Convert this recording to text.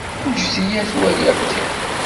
Ǧǧet-iyi ad t-waliɣ kan.